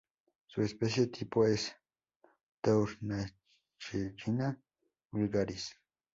Su especie tipo es "Tournayellina vulgaris".